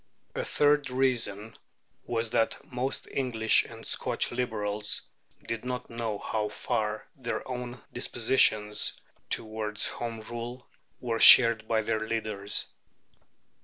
A third reason was that most English and Scotch Liberals did not know how far their own dispositions towards Home Rule were shared by their leaders.